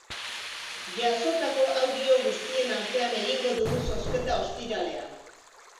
Jasotako audio guztien artean egingo dugu zozketa ostiralean.